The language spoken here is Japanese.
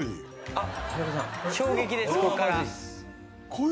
あっ！